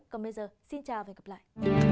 còn bây giờ xin chào và hẹn gặp lại